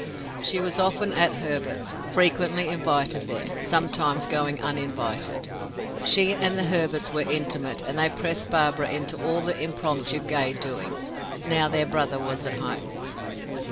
She was often at the Herberts'; frequently invited there sometimes going uninvited. She and the Herberts were intimate and they pressed Barbara into all the impromptu gay doings, now their brother was at home.